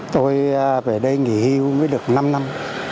tôi về đây nghỉ hưu mới được năm năm